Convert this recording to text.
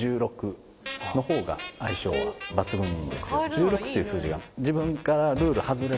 １６っていう数字が。